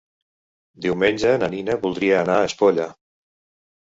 Diumenge na Nina voldria anar a Espolla.